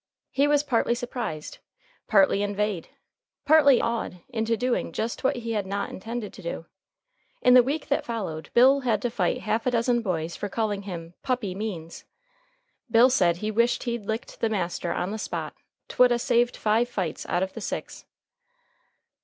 He was partly surprised, partly inveighed, partly awed into doing just what he had not intended to do. In the week that followed, Bill had to fight half a dozen boys for calling him "Puppy Means." Bill said he wished he'd licked the master on the spot. 'Twould 'a' saved five fights out of the six.